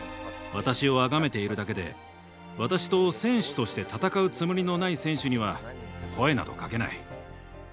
私をあがめているだけで私と選手として「戦う」つもりのない選手には声などかけない。